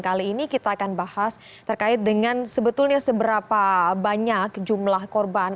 kali ini kita akan bahas terkait dengan sebetulnya seberapa banyak jumlah korban